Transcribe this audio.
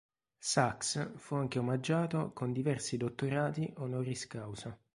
Sacks fu anche omaggiato con diversi dottorati honoris causa.